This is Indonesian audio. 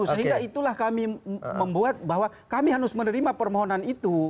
sehingga itulah kami membuat bahwa kami harus menerima permohonan itu